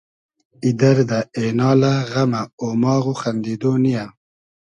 ای دئردۂ ، اېنالۂ ، غئمۂ ، اۉماغ و خئندیدۉ نییۂ